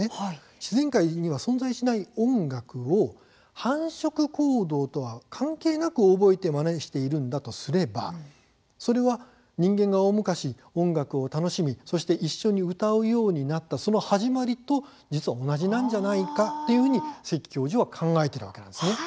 自然界には存在しない音楽を繁殖行動とは関係なく覚えてまねしているんだとすればそれは人間が大昔、音楽を楽しみそして一緒に歌うようになったその始まりと同じなのではないかと関教授は考えているわけです。